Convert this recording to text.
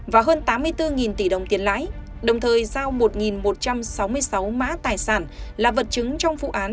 và hơn tám mươi bốn tỷ đồng tiền lãi đồng thời giao một một trăm sáu mươi sáu mã tài sản là vật chứng trong vụ án